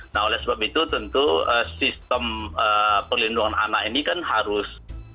nah oleh sebab itu tentu sistem perlindungan anak ini kan harus